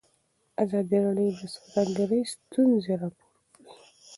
ازادي راډیو د سوداګري ستونزې راپور کړي.